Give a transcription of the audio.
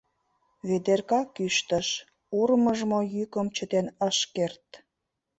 — Ведерка кӱштыш, урмыжмо йӱкым чытен ыш керт.